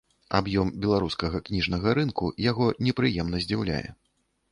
Аб'ём беларускага кніжнага рынку яго непрыемна здзіўляе.